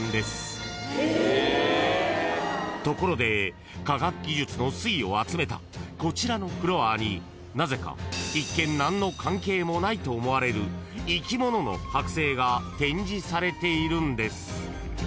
［ところで科学技術の粋を集めたこちらのフロアになぜか一見何の関係もないと思われる生き物の剥製が展示されているんです］